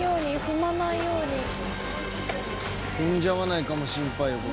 踏んじゃわないかも心配よ。